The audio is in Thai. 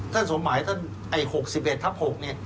ท่านสมมัยท่านไอ้๖๑ทัพ๖เนี่ย